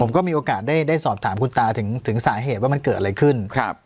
ก็มีโอกาสได้สอบถามคุณตาถึงสาเหตุว่ามันเกิดอะไรขึ้นครับ